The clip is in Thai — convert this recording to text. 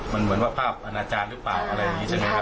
มันเหมือนว่าภาพอาณาจารย์หรือเปล่าอะไรอย่างนี้ใช่ไหมครับ